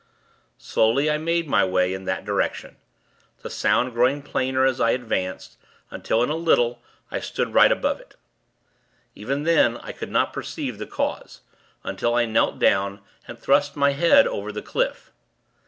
Slowly, I made my way in that direction; the sound growing plainer as I advanced, until in a little, I stood right above it. Even then, I could not perceive the cause, until I knelt down, and thrust my head over the cliff.